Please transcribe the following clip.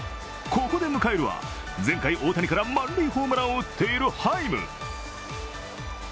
ここで迎えるは前回、大谷から満塁ホームランを打っているハイム。